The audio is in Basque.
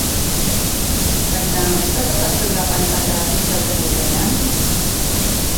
Baina, zer gertatzen da pantailak itzaltzen direnean?